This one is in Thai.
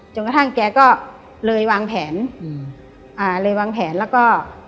กระทั่งแกก็เลยวางแผนอืมอ่าเลยวางแผนแล้วก็